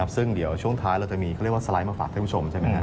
ซึ่งเดี๋ยวช่วงท้ายเราจะมีเขาเรียกว่าสไลด์มาฝากท่านผู้ชมใช่ไหมครับ